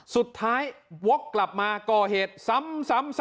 สุดท้ายวกกลับมาก่อเหตุซ้ำ